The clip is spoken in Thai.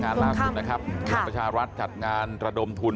ล่าสุดนะครับพลังประชารัฐจัดงานระดมทุน